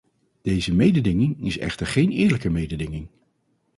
Deze mededinging is echter geen eerlijke mededinging.